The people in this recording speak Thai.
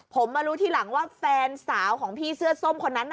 ผมมารู้ทีหลังว่าแฟนสาวของพี่เสื้อส้มคนนั้น